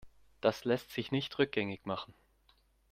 Das lässt sich nicht rückgängig machen.